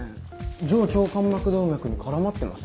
上腸間膜動脈に絡まってません？